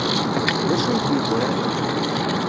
D acu ay d-yeggran?